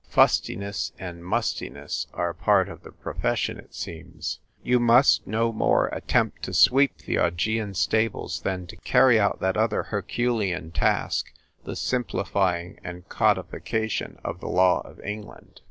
Fustiness and mustiness are part of the profession, it seems ; you must no more attempt to sweep the Augean stables than to carry out that other Herculean task — the simplifying and codification of the law of England.